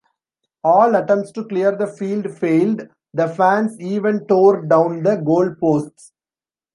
All attempts to clear the field failed; the fans even tore down the goalposts.